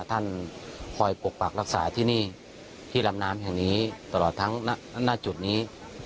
ท่านคอยปกปักรักษาที่นี่ที่ลำน้ำแห่งนี้ตลอดทั้งหน้าจุดนี้